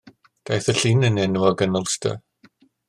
Daeth y llun yn enwog yn Ulster.